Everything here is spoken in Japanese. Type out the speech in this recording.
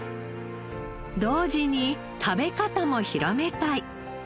同時に食べ方も広めたい。